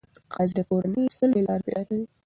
قاضي د کورني صلحې لارې پیدا کوي.